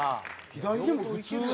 左でも普通に。